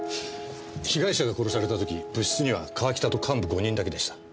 被害者が殺された時部室には川北と幹部５人だけでした。